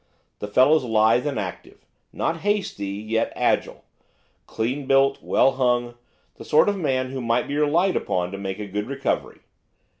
The fellow's lithe and active; not hasty, yet agile; clean built, well hung, the sort of man who might be relied upon to make a good recovery.